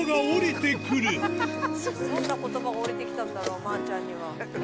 どんな言葉が降りてきたんだろう？まーちゃんには。